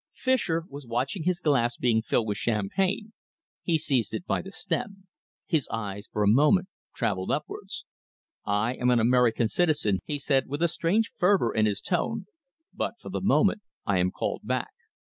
Fischer was watching his glass being filled with champagne. He seized it by the stem. His eyes for a moment travelled upwards. "I am an American citizen," he said, with a strange fervour in his tone, "but for the moment I am called back.